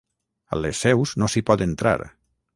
A les seus no s'hi pot entrar